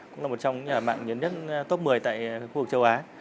cũng là một trong nhà mạng nhấn nhất top một mươi tại khu vực châu á